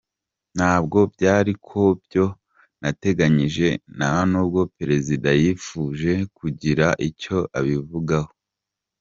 Ntabwo byari ku byo nateganyije, nta nubwo Perezida yifuje kugira icyo abivugaho.